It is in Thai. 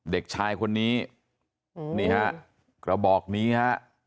เด็กชายคนนี้นี่ฮะกระบอกนี้ฮะ